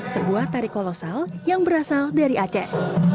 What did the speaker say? sebuah tari kolosal yang berasal dari aceh